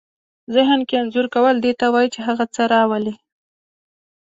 ذهن کې انځور کول دې ته وايي چې هغه څه راولئ.